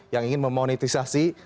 yang ingin memonetisasi